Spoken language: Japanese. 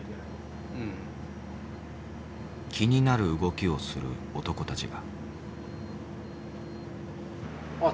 気になる動きをする男たちが。